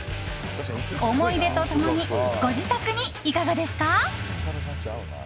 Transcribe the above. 思い出と共にご自宅にいかがですか？